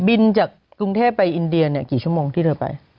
จากกรุงเทพไปอินเดียเนี่ยกี่ชั่วโมงที่เธอไป